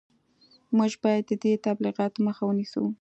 موږ باید د دې تبلیغاتو مخه ونیسو